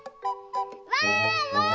ワンワーン！